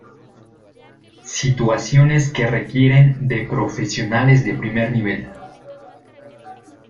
Situaciones que requieren de profesionales de primer nivel.